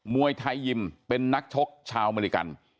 วยไทยยิมเป็นนักชกชาวอเมริกัน